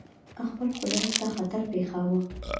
خپل قدرت ته خطر پېښاوه.